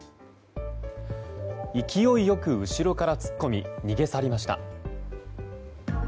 勢いよく後ろから突っ込み逃げ去りました。